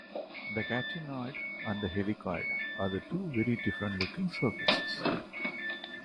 The catenoid and the helicoid are two very different-looking surfaces.